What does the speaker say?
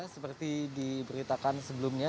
seperti diberitakan sebelumnya